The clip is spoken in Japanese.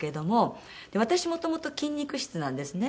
私もともと筋肉質なんですね。